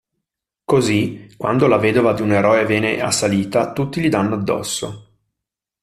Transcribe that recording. Così, quando la vedova di un eroe viene assalita, tutti gli danno addosso.